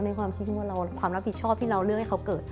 ความคิดว่าเราความรับผิดชอบที่เราเลือกให้เขาเกิด